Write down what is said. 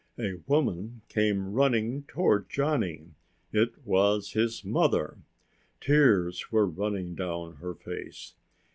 A woman came running toward Johnny. It was his mother. Tears were running down her face.